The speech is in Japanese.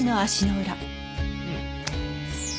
うん。